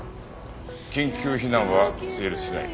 緊急避難は成立しない。